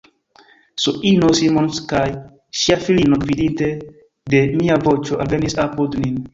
S-ino Simons kaj ŝia filino, gvidite de mia voĉo, alvenis apud nin.